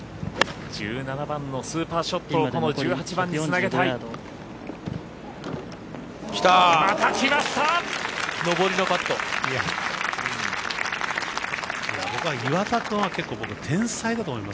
１７番のスーパーショットをこの１８番につなげたい。